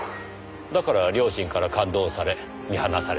だから両親から勘当され見放された。